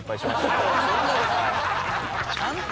ちゃんと。